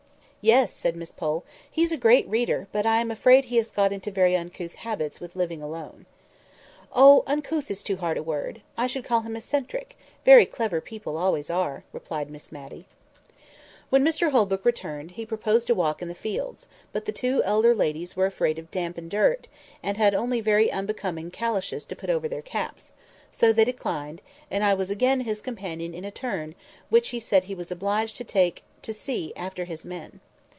"Yes!" said Miss Pole, "he's a great reader; but I am afraid he has got into very uncouth habits with living alone." "Oh! uncouth is too hard a word. I should call him eccentric; very clever people always are!" replied Miss Matty. [Picture: Now, what colour are ash buds in March] When Mr Holbrook returned, he proposed a walk in the fields; but the two elder ladies were afraid of damp, and dirt, and had only very unbecoming calashes to put on over their caps; so they declined, and I was again his companion in a turn which he said he was obliged to take to see after his men.